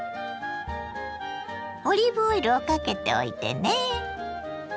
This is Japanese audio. オリーブオイルをかけておいてね。